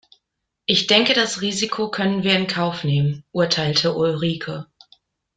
Ich denke das Risiko können wir in Kauf nehmen, urteilte Ulrike.